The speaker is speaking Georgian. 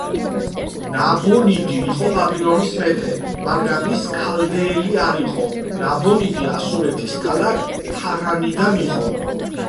ნაბონიდი იყო ბაბილონის მეფე, მაგრამ ის ქალდეელი არ იყო, ნაბონიდი ასურეთის ქალაქ ჰარანიდან იყო.